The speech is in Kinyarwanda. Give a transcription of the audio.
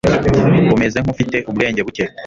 umeze nkufite ubwenge buke